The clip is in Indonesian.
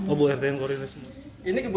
oh bu rt yang koordinir semua